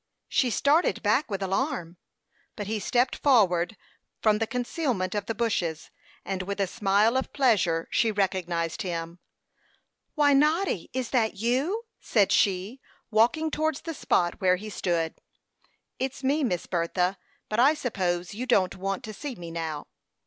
She started back with alarm; but he stepped forward from the concealment of the bushes, and with a smile of pleasure she recognized him. "Why, Noddy, is that you?" said she, walking towards the spot where he stood. "It's me, Miss Bertha; but I suppose you don't want to see me now."